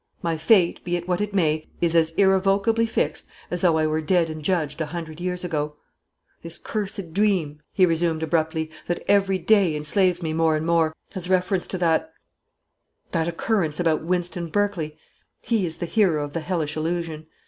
My fate, be it what it may, is as irrevocably fixed, as though I were dead and judged a hundred years ago. "This cursed dream," he resumed abruptly, "that everyday enslaves me more and more, has reference to that that occurrence about Wynston Berkley he is the hero of the hellish illusion.